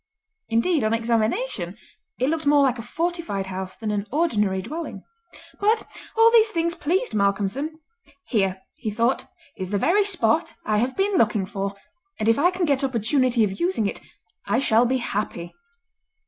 Indeed, on examination, it looked more like a fortified house than an ordinary dwelling. But all these things pleased Malcolmson. "Here," he thought, "is the very spot I have been looking for, and if I can get opportunity of using it I shall be happy."